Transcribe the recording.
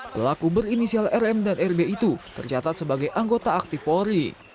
pelaku berinisial rm dan rb itu tercatat sebagai anggota aktif polri